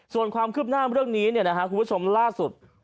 ส่วนความคืบหน้าเรื่องนี้คุณผู้ชมล่าสุด